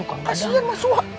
kasian mas suha